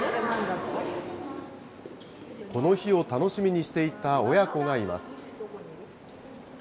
この日を楽しみにしていた親子がいます。